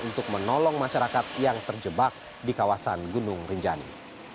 untuk menolong masyarakat yang terjebak di kawasan gunung rinjani